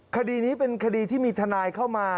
คดีนี้เป็นคดีที่มีทนายเข้ามา